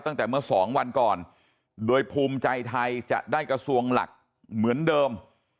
ตั้งแต่เมื่อสองวันก่อนโดยภูมิใจไทยจะได้กระทรวงหลักเหมือนเดิม